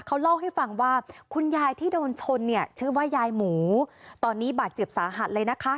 เขาเล่าให้ฟังว่าคุณยายที่โดนชนเนี่ยชื่อว่ายายหมูตอนนี้บาดเจ็บสาหัสเลยนะคะ